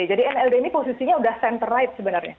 jadi nld ini posisinya sudah center right sebenarnya